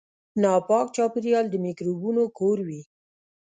ناپاک چاپیریال د میکروبونو کور وي.